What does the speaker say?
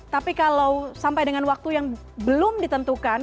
tapi kalau sampai dengan waktu yang belum ditentukan